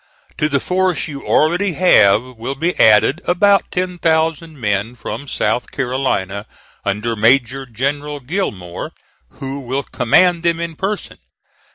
To the force you already have will be added about ten thousand men from South Carolina, under Major General Gillmore, who will command them in person.